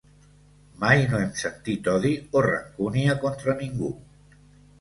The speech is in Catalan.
Mai no hem sentit odi o rancúnia contra ningú.